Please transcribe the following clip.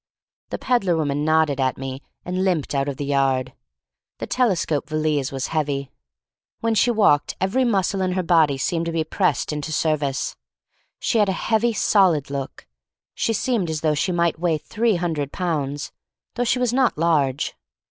The peddler woman nodded at me and limped out of the yard. The tele scope valise was heavy. When she walked every muscle in her body seemed to be pressed into the service. She had a heavy, solid look. She seemed as though she might weigh tiiree hundred pounds, though she was not large.